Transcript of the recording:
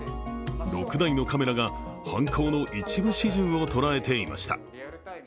６台のカメラが犯行の一部始終を捉えていました。